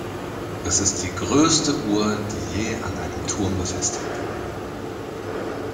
Es ist die größte Uhr, die je an einem Turm befestigt wurde.